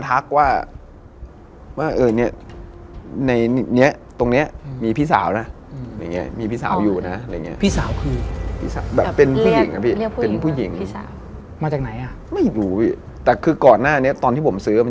ท่านี้เลยแล้วเขย่าอ่าอยู่เงี้ย